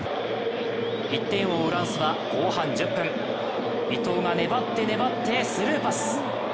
１点を追うランスは後半１０分、伊東が粘って粘ってスルーパス。